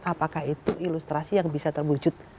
apakah itu ilustrasi yang bisa terwujud